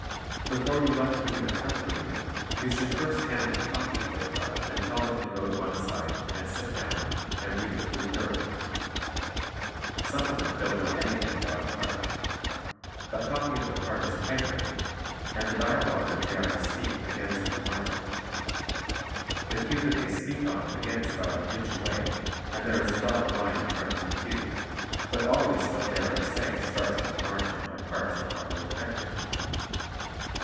Before you let them read a part for you, you should first hand them a copy of their part and tell them to go to one side and sit down and read it through thoroughly. Some of them don't know anything about a part. A copy of a part is typewritten, and the dialogue that they are to speak begins at the margin. The cue that they speak on begins about an inch away and there is a dotted line in front of the cue, but always what they are to say starts at the margin when parts are properly typewritten.